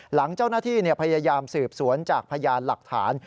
หลังเจ้าหน้าที่พยายามสืบสวนจากพยานหลักฐาน